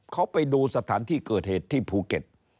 เขาไปดูสถานที่เกิดเหตุที่ภูเก็ต